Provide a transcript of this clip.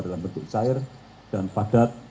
dalam bentuk cair dan padat